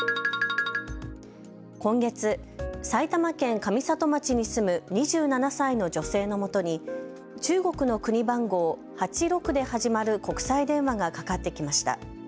今月、埼玉県上里町に住む２７歳の女性のもとに中国の国番号、８６で始まる国際電話がかかってきました。